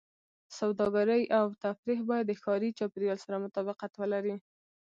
سوداګرۍ او تفریح باید د ښاري چاپېریال سره مطابقت ولري.